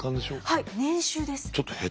はい。